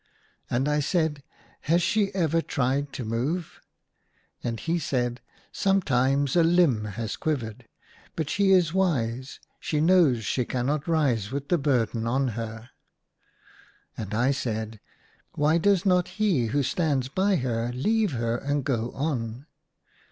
And I said, " Has she ever tried to move r And he said, " Sometimes a limb has THREE DREAMS IN A DESERT. 71 quivered. But she is wise ; she knows she cannot rise with the burden on her." And I said, " Why does not he who stands by her leave her and go on